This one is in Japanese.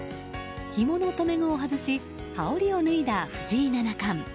ひもの留め具を外し羽織を脱いだ藤井七冠。